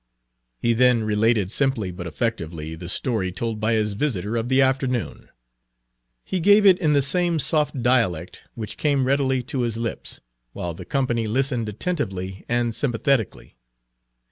He then related, simply but effectively, the Page 20 story told by his visitor of the afternoon. He gave it in the same soft dialect, which came readily to his lips, while the company listened attentively and sympathetically.